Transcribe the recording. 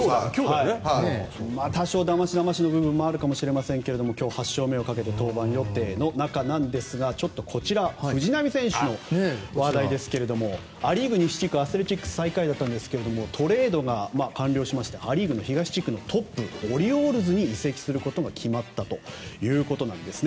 だましだましの部分がありますが、今日８勝目をかけて登板予定の中ですが、こちら藤浪選手の話題ですけれどもア・リーグ西地区アスレチックス最下位だったんですがトレードが完了しましてア・リーグ東地区のトップオリオールズに移籍することが決まったということです。